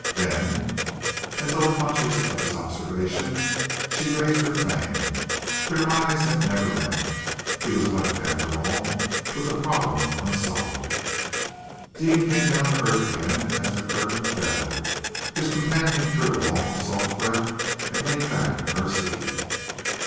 Then, as though conscious of his observation, she raised her fan. Their eyes had never met. He was left, after all, with the problem unsolved! Deane came down to earth again as the curtain fell. His companion drew a long, soft breath, and leaned back in her seat.